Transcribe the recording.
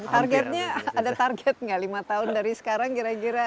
targetnya ada target nggak lima tahun dari sekarang kira kira